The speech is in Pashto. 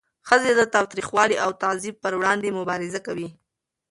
ښځې د تاوتریخوالي او تعذیب پر وړاندې مبارزه کوي.